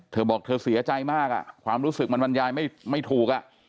เธอบอกเธอเสียใจมากความรู้สึกมันบรรยายไม่ถูก